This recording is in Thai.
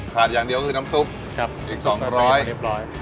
ขาดอย่างเดียวคือน้ำซุปครับอีกสองร้อยเน็บล้อย